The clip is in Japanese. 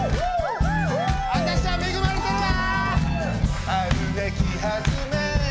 私は恵まれてるわ！